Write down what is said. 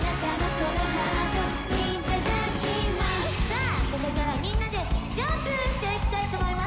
さあここからみんなでジャンプしていきたいと思います。